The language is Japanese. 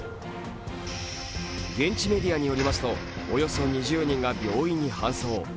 現地メディアによりますと、およそ２０人が病院に搬送。